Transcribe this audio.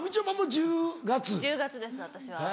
１０月です私は。